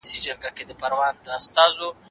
آیا دې پروژې مثبتې پایلې درلودې؟